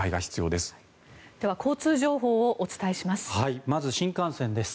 では、交通情報をお伝えします。